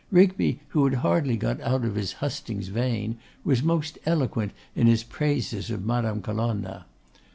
Rigby, who had hardly got out of his hustings' vein, was most eloquent in his praises of Madame Colonna.